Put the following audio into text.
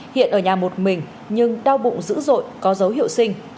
hiện ở nhà một mình nhưng đau bụng dữ dội có dấu hiệu sinh